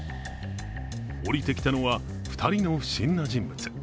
降りてきたのは２人の不審な人物。